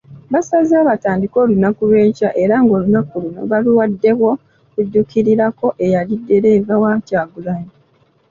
Basazeewo batandike olunaku lw'enkya era ng'olunaku luno baluwaddewo okujjukirirako eyali ddereeva wa Kyagulanyi.